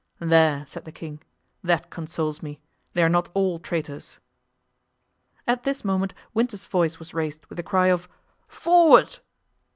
"There," said the king, "that consoles me; they are not all traitors." At this moment Winter's voice was raised with the cry of "Forward!"